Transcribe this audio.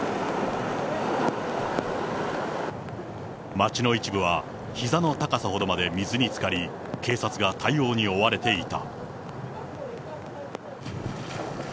町の一部は、ひざの高さほどまで水につかり、警察が対応に追われていた。